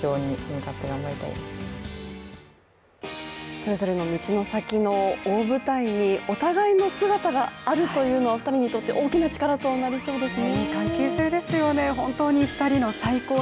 それぞれの道の先の大舞台にお互いの姿があるというのは２人にとって大きな力となりそうですよね。